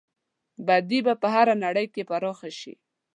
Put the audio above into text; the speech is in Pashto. بدي به په نړۍ کې پراخه شي.